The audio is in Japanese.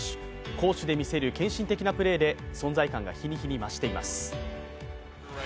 攻守で見せる献身的なプレーで存在感が日に日に増しています。